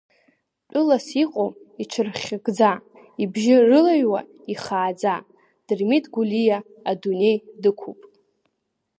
Тәылас иҟоу иҽырхьыгӡа, ибжьы рылаҩуа ихааӡа, Дырмит Гәлиа адунеи дықәуп!